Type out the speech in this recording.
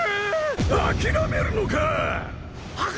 諦めるのか！